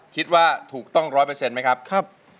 คิดว่าถูกต้อง๑๐๐ไหมครับ